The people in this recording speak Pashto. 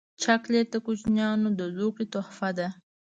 چاکلېټ د کوچنیانو د زوکړې تحفه ده.